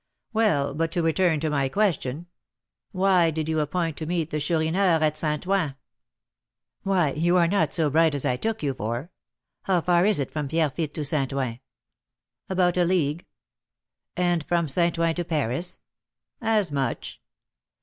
"Well, but to return to my question; why did you appoint to meet the Chourineur at St. Ouen?" "Why, you are not so bright as I took you for. How far is it from Pierrefitte to St. Ouen?" "About a league." "And from St. Ouen to Paris?" "As much."